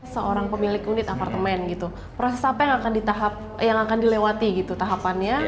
seorang pemilik unit apartemen gitu proses apa yang akan dilewati gitu tahapannya